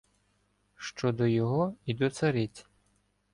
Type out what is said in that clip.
Що до його і до цариці